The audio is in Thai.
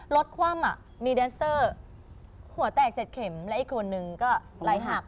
คว่ำมีแดนเซอร์หัวแตก๗เข็มและอีกคนนึงก็ไหลหัก